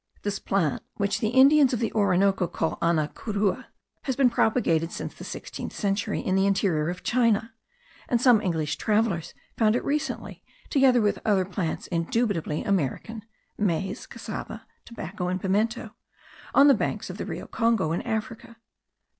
This plant, which the Indians of the Orinoco call ana curua, has been propagated since the sixteenth century in the interior of China,* and some English travellers found it recently, together with other plants indubitably American (maize, cassava, tobacco, and pimento), on the banks of the River Congo, in Africa.